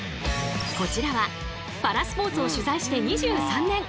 こちらはパラスポーツを取材して２３年。